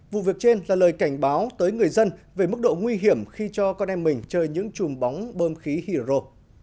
vụ việc trên là lời cảnh báo tới người dân về mức độ nguy hiểm khi cho con em mình chơi những chùm bóng bơm khí hy ro